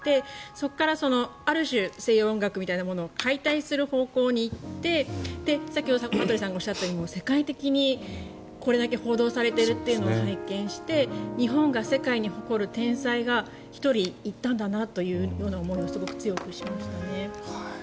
そこからある種西洋音楽みたいなものを解体する方向に行ってさっき羽鳥さんがおっしゃったように、世界的にこれだけ報道されているというのを拝見して日本が世界に誇る天才が１人、逝ったんだなという思いをすごく強くしましたね。